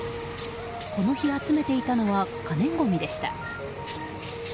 この日、集めていたのは可燃ごみでした。